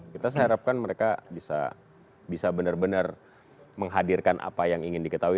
kita saya harapkan mereka bisa benar benar menghadirkan apa yang ingin diketahui